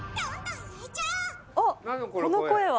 あっこの声は。